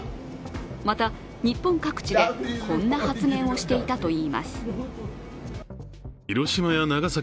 また日本各地でこんな発言をしていたといいます。